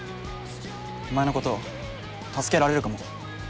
お前のこと助けられるかも。